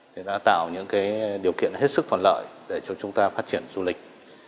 đã tạo những điều kiện hết sức phần lợi để cho chúng ta phát triển du lịch